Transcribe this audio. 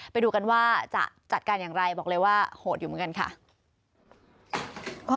ไปดูกันว่าจะจัดการอย่างไรบอกเลยว่าโหดอยู่เหมือนกันค่ะ